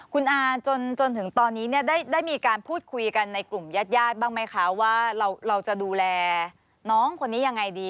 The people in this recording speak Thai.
คุณอาจนถึงตอนนี้เนี่ยได้มีการพูดคุยกันในกลุ่มญาติญาติบ้างไหมคะว่าเราจะดูแลน้องคนนี้ยังไงดี